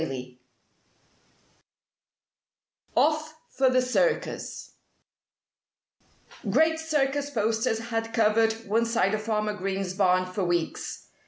XIX OFF FOR THE CIRCUS Great circus posters had covered one side of Farmer Green's barn for weeks.